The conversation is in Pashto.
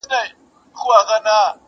د سرکار له پوره نه سو خلاصېدلای٫